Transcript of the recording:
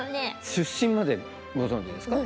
出身までご存じですか？